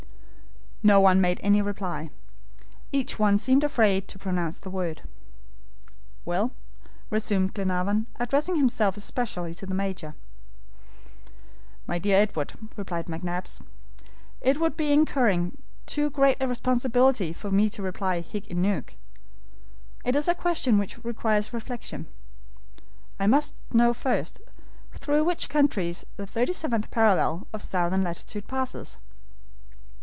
No one made any reply. Each one seemed afraid to pronounce the word. "Well?" resumed Glenarvan, addressing himself especially to the Major. "My dear Edward," replied McNabbs, "it would be incurring too great a responsibility for me to reply hic et nunc. It is a question which requires reflection. I must know first, through which countries the thirty seventh parallel of southern latitude passes?"